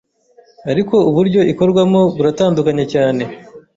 Ariko uburyo ikorwamo buratandukanye cyane